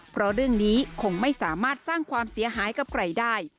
เพราะเรื่องนี้คงไม่สามารถสร้างความเสียหายกับใครได้